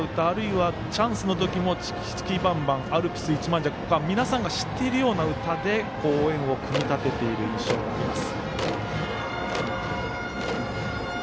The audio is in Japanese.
日大はこういった歌あるいはチャンスのときも「チキチキバンバン」「アルプス一万尺」といった皆さんが知っているような歌で応援を組み立てている印象があります。